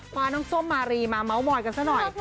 ว่าน้องส้มมารีมาเมาส์มอยกันซะหน่อย